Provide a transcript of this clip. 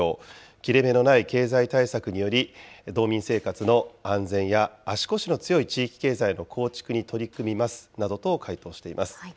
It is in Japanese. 切れ目のない経済対策により、道民生活の安全や、足腰の強い地域経済の構築に取り組みますなどと回答しています。